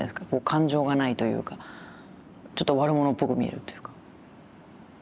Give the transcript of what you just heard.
感情がないというかちょっと悪者っぽく見えるというか。